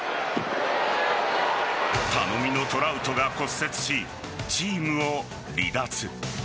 頼みのトラウトが骨折しチームを離脱。